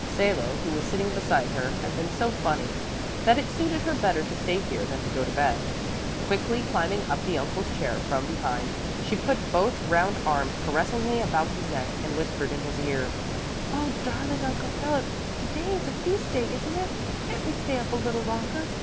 Salo, who was sitting beside her, had been so funny, that it suited her better to stay here than to go to bed, Quickly climbing up the uncle's chair from behind, she put both round arms caressingly about his neck and whispered in his ear, "Oh, darling Uncle Philip, to day is a feast day, isn't it? Can't we stay up a little longer?